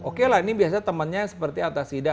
oke lah ini biasanya temannya seperti atacida